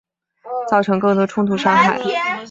造成更多冲突伤害